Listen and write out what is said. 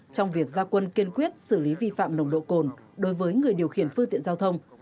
trong việc gia quân kiên quyết xử lý vi phạm nồng độ cồn đối với người điều khiển phương tiện giao thông